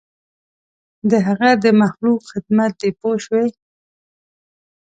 د هغه د مخلوق خدمت دی پوه شوې!.